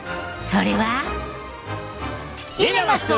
それは。